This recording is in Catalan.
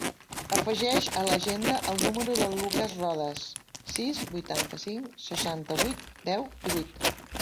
Afegeix a l'agenda el número del Lukas Rodes: sis, vuitanta-cinc, seixanta-vuit, deu, divuit.